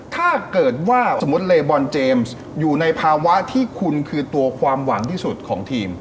ถ้าเกิดว่าสมมุติเลบอลเจมส์อยู่ในภาวะที่คุณคือตัวความหวังที่สุดของทีม